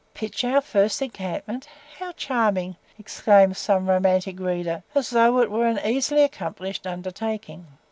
"Pitch our first encampment! how charming!" exclaims some romantic reader, as though it were an easily accomplished undertaking.